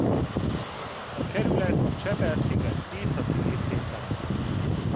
A kerület a Csepel-sziget északi részén fekszik.